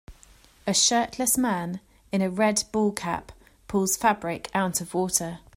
A shirtless man in a red ball cap pulls fabric out of water.